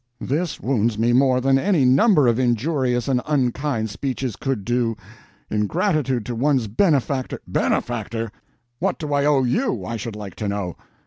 This wounds me more than any number of injurious and unkind speeches could do. In gratitude to one's benefactor—" "Benefactor? What do I owe you, I should like to know?"